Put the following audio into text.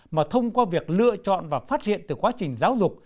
mà thông qua việc lựa chọn và phát hiện từ quá trình giáo dục